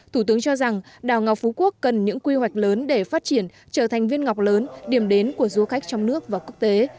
thủ tướng cho rằng đảo ngọc phú quốc cần những quy hoạch lớn để phát triển trở thành viên ngọc lớn điểm đến của du khách trong nước và quốc tế